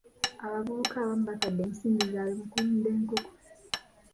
Abavubuka abamu batadde ensimbi zaabwe mu kulunda enkoko.